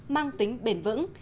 mang tính bền vững